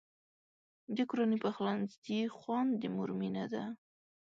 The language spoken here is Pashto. د کورني پخلنځي خوند د مور مینه ده.